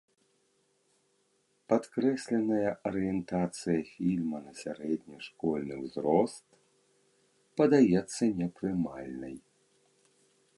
Падкрэсленая арыентацыя фільма на сярэдні школьны ўзрост падаецца непрымальнай.